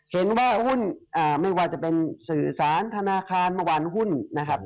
เห็นว่าหุ้นไม่ว่าจะเป็นสื่อสารธนาคารเมื่อวานหุ้นนะครับ